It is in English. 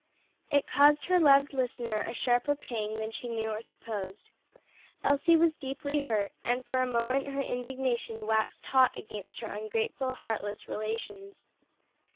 It caused her loved listener a sharper pang than she knew or supposed. Elsie was deeply hurt and for a moment her indignation waxed hot against her ungrateful, heartless relations.